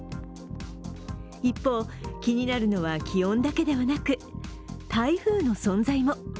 一方、気になるのは気温だけではなく、台風の存在も。